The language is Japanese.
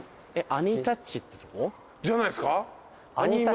アニタッチってとこ？じゃないっすか？